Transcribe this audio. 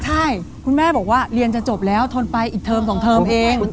ใช่คุณแม่บอกว่าเรียนจะจบแล้วทนไปอีกเทอม๒เทอมเอง